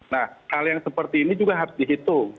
nah hal yang seperti ini juga harus dihitung